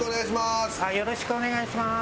よろしくお願いします。